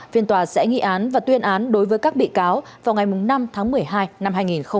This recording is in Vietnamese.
phiên tòa sẽ nghị án và tuyên án đối với các bị cáo vào ngày năm tháng một mươi hai năm hai nghìn hai mươi